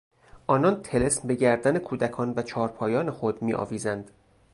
آنان طلسم به گردن کودکان و چهار پایان خود میآویزند.